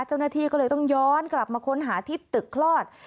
เจ้าหน้าที่ก็เลยต้องย้อนกลับมาค้นหาที่ตึกคลอด